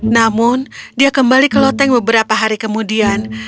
namun dia kembali ke loteng beberapa hari kemudian